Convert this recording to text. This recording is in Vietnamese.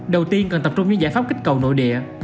đầu tiên cần tập trung những giải pháp kích cầu nội địa